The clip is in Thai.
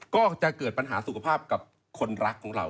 ก็จะเกิดปัญหาสุขภาพกับคนรักของเรา